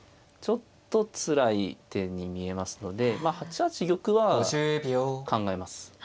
ちょっとつらい手に見えますのでまあ８八玉は考えます。